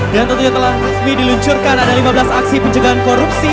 tentunya telah resmi diluncurkan ada lima belas aksi pencegahan korupsi